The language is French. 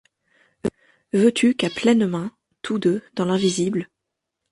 Veux-tu qu’à pleines mains, tous deux, dans l’invisible